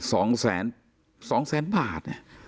สองแสนสองแสนบาทเนี่ย